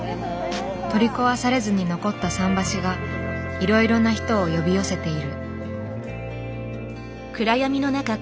取り壊されずに残った桟橋がいろいろな人を呼び寄せている。